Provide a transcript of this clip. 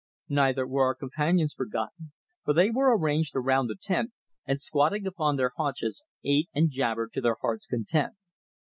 Neither were our companions forgotten, for they were arranged around the tent, and squatting upon their haunches ate and jabbered to their hearts' content.